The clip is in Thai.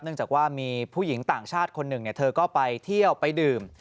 จากว่ามีผู้หญิงต่างชาติคนหนึ่งเธอก็ไปเที่ยวไปดื่ม